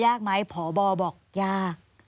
ยากไหมพบบอกยาก